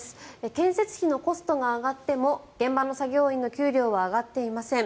建設費のコストが上がっても現場の作業員の給料は上がっていません。